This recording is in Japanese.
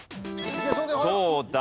どうだ？